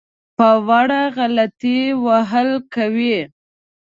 په وړه غلطۍ وهل کوي.